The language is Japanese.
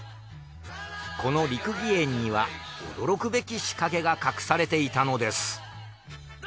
この『六義園』には驚くべき仕掛けが隠されていたのです。